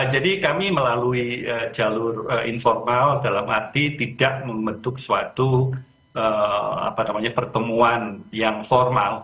jadi kami melalui jalur informal dalam arti tidak membentuk suatu pertemuan yang formal